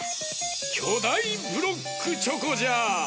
きょだいブロックチョコじゃ！